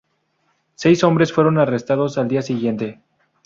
Seis hombres fueron arrestados al día siguiente.